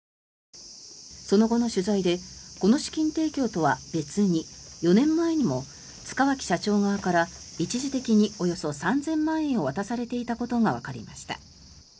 その後の取材でこの資金提供とは別に４年前にも塚脇社長側から一時的におよそ３０００万円を渡されていたことがわかりました。